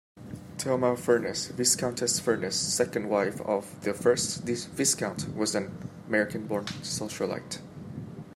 Thelma Furness, Viscountess Furness, second wife of the first Viscount, was an American-born socialite.